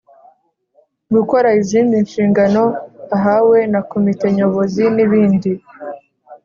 Gukora izindi nshingano ahawe na Komite Nyobozi nibindi.